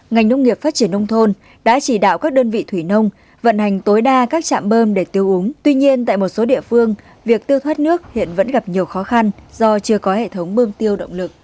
ngành nông nghiệp phát triển nông thôn đã chỉ đạo các đơn vị thủy nông vận hành tối đa các trạm bơm để tiêu úng tuy nhiên tại một số địa phương việc tiêu thoát nước hiện vẫn gặp nhiều khó khăn do chưa có hệ thống bơm tiêu động lực